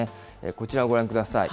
こちらをご覧ください。